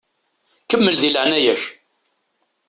Kemmel di leɛnaya-k!